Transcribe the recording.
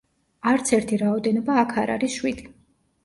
არც ერთი რაოდენობა აქ არ არის შვიდი.